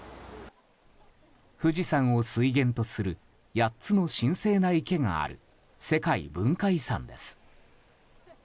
富士山を水源とする８つの神聖な池がある世界文化遺産です。